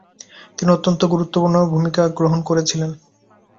তিনি অত্যন্ত গুরুত্বপূর্ণ ভূমিকা গ্রহণ করেছিলেন।